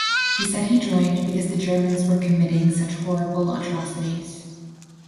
He said he joined "because the Germans were committing such horrible atrocities".